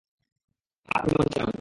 আপনি যেমন চান।